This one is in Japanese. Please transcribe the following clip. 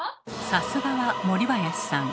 さすがは森林さん。